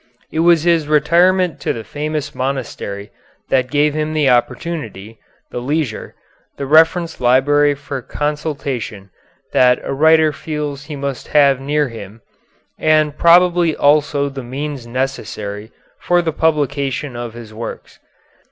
It was his retirement to the famous monastery that gave him the opportunity, the leisure, the reference library for consultation that a writer feels he must have near him, and probably also the means necessary for the publication of his works.